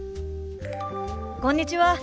こんにちは。